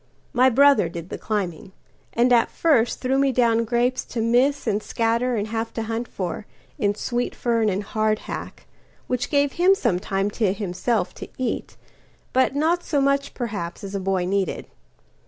My brother did the climbing; and at firstThrew me down grapes to miss and scatterAnd have to hunt for in sweet fern and hardhack; Which gave him some time to himself to eat, But not so much, perhaps, as a boy needed.